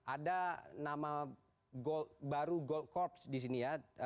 ada nama baru gold corps di sini ya